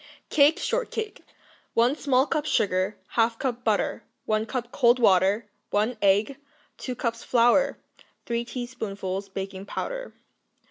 Cake Shortcake 1 small cup sugar. 1/2 cup butter. 1 cup cold water. 1 egg. 2 cups flour. 3 teaspoonfuls baking powder.